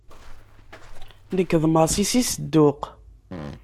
Nekk d Masi si Sedduq.